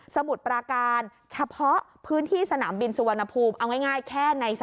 สมุดปราการเฉพาะพื้นที่สนามบินสุวรรณภูมิ